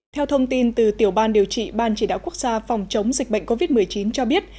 theo thông tin từ tiểu ban điều trị ban chỉ đạo quốc gia phòng chống dịch bệnh covid một mươi chín cho biết